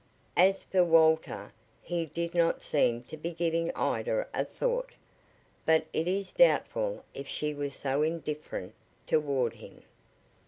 As for Walter, he did not seem to be giving Ida a thought. But it is doubtful if she was so indifferent toward him.